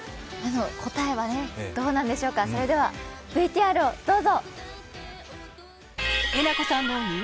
答えはどうなんでしょうかＶＴＲをどうぞ。